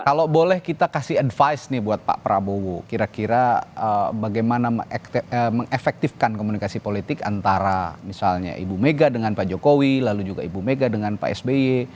kalau boleh kita kasih advice nih buat pak prabowo kira kira bagaimana mengefektifkan komunikasi politik antara misalnya ibu mega dengan pak jokowi lalu juga ibu mega dengan pak sby